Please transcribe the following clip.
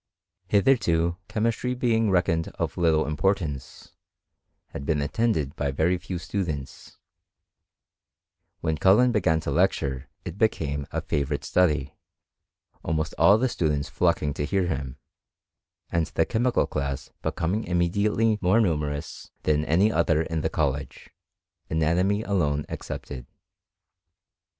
Hitherto chemistry being reckoned of little importance, had been attended by very few students ; when Cullen began to lecture it became a favourite study, almost all the students flocking to hear him, and the chemical class becoming immediately more numerous than any other in the college, anatomy alone excepted.